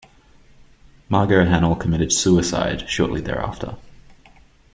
Margot Hanel committed suicide shortly thereafter.